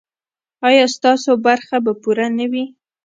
ایا ستاسو برخه به پوره نه وي؟